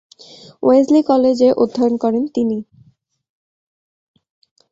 Wesley কলেজে অধ্যয়ন করেন তিনি।